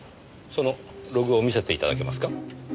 そのログを見せて頂けますか？